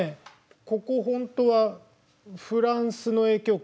ここほんとはフランスの影響下。